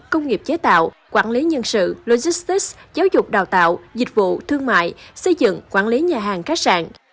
công nghiệp chế tạo quản lý nhân sự logistics giáo dục đào tạo dịch vụ thương mại xây dựng quản lý nhà hàng khách sạn